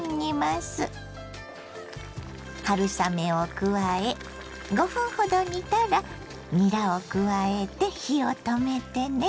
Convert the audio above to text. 春雨を加え５分ほど煮たらにらを加えて火を止めてね。